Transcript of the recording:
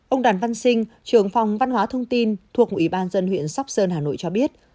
ông đoàn văn sinh trưởng phòng văn hóa thông tin thuộc ủy ban dân huyện sóc sơn hà nội cho biết